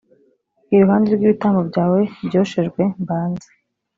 iruhande rw ibitambo byawe byoshejwe mbanze